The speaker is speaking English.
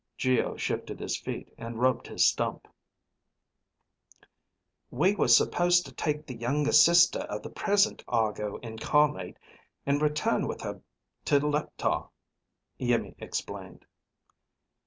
Geo shifted his feet and rubbed his stump. "We were supposed to take the younger sister of the present Argo Incarnate and return with her to Leptar," Iimmi explained.